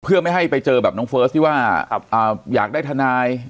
เพื่อไม่ให้ไปเจอแบบน้องเฟิร์สที่ว่าอยากได้ทนาย